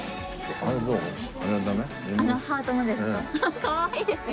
あのハートのですか？